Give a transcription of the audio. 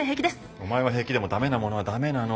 お前は平気でもダメなものはダメなの。